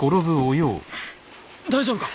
大丈夫か？